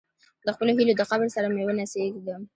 د خپلو هیلو د قبر سره مې ونڅیږم.